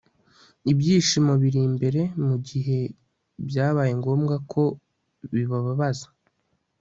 ibyishimo biri imbere mugihe byabaye ngombwa ko bibabaza